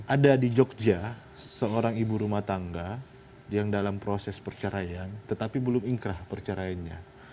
ada di jogja seorang ibu rumah tangga yang dalam proses perceraian tetapi belum ingkrah perceraiannya